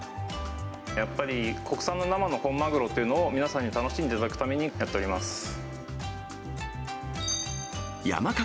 やっぱり国産の生の本マグロというのを、皆さんに楽しんでいただくためにやっております。